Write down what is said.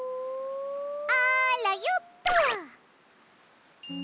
あらよっと！